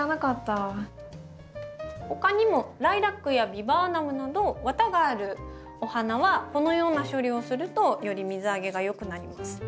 ほかにもライラックやビバーナムなどワタがあるお花はこのような処理をするとより水あげがよくなります。